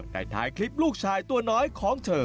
ถ่ายคลิปลูกชายตัวน้อยของเธอ